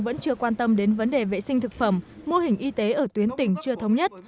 vẫn chưa quan tâm đến vấn đề vệ sinh thực phẩm mô hình y tế ở tuyến tỉnh chưa thống nhất